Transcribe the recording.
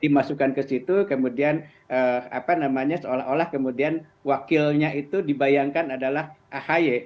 dimasukkan ke situ kemudian seolah olah kemudian wakilnya itu dibayangkan adalah ahy